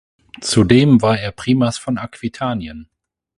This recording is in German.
Zudem war er Primas von Aquitanien.